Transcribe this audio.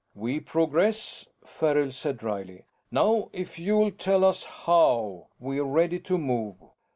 "We progress," Farrell said dryly. "Now if you'll tell us how, we're ready to move."